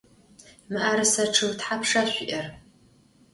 Mı'erıse ççıg thapşşa şsui'er?